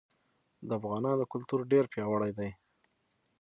د افغانانو کلتور ډير پیاوړی دی.